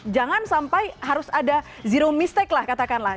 jangan sampai harus ada zero mistake lah katakanlah